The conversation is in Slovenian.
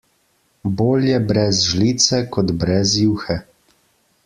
Bolje brez žlice kot brez juhe.